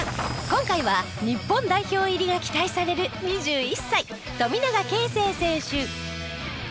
今回は日本代表入りが期待される２１歳富永啓生選手。